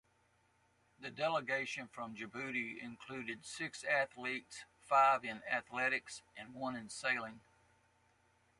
The delegation from Djibouti included six athletes, five in athletics and one in sailing.